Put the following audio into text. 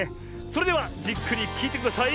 それではじっくりきいてください。